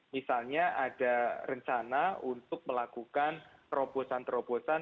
misalnya ada rencana untuk melakukan terobosan terobosan